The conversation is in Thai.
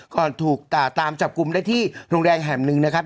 ถูกตามจับกลุ่มได้ที่โรงแรมแห่งหนึ่งนะครับ